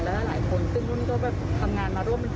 แล้วหลายคนซึ่งนุ่มก็ทำงานมาร่วม๑๐ปี